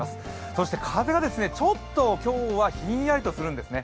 そして風がちょっと今日はひんやりとするんですね。